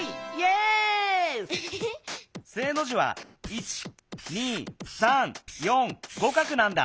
「正」の字は１２３４５画なんだ。